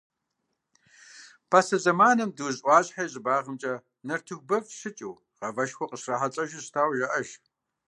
Пасэ зэманым Дуужь ӏуащхьэ и щӏыбагъымкӏэ нартыху бэв щыкӏыу, гъавэшхуэ къыщрахьэлӏэжу щытауэ жаӏэж.